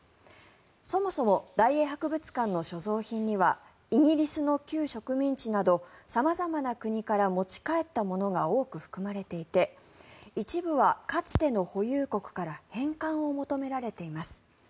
そもそも大英博物館の所蔵品にはイギリスの旧植民地など様々な国から持ち帰ったものが多く含まれていて一部はかつての保有国から返還を求められています。